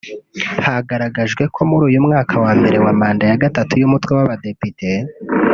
Hagaragajwe ko muri uyu mwaka wa mbere wa manda ya gatatu y’Umutwe w’Abadepite